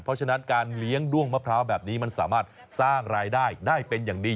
เพราะฉะนั้นการเลี้ยงด้วงมะพร้าวแบบนี้มันสามารถสร้างรายได้ได้เป็นอย่างดี